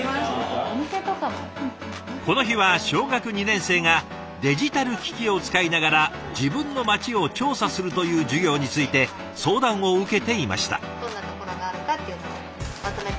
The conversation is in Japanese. この日は小学２年生がデジタル機器を使いながら自分の町を調査するという授業について相談を受けていました。